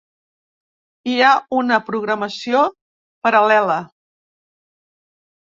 Hi ha una programació paral·lela.